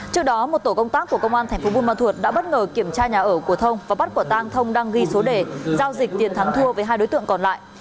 trước đó một tổ công tác của công an tp buôn ma thuột đã bất ngờ kiểm tra nhà ở của thông và bắt quả tang thông đang ghi số đề giao dịch tiền thắng thua với hai đối tượng còn lại